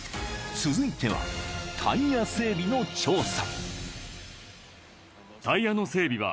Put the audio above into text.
［続いてはタイヤ整備の調査］